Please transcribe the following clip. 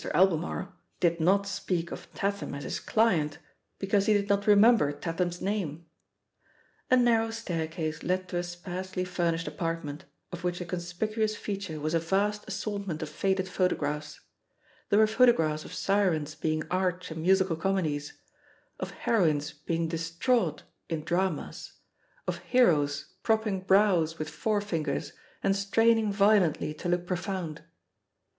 Albemarle did not speak of Tatham as his "client" because he did not remember Tatham's name. A narrow staircase led to a sparsely fur nished apartment, of which a conspicuous fea ture was a vast assortment of faded photographs* There were photographs of sirens being arch in musical comedies, of heroines being distraught i^ ftO THE POSITION OF PEGGY HARPEB dramas, of heroes propping brows with fore fingers and straining violently to look profound.